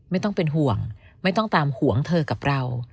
ไม่ต้องเป็นห่วงไม่ต้องตามห่วงเธอกับเรา